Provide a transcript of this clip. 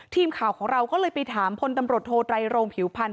ทีมข่าวของเราก็เลยไปถามพลตำรวจโทไตรโรงผิวพันธ